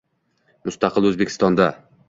Mustaqil O'zbekistonda